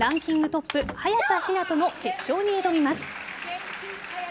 トップ早田ひなとの決勝に挑みます。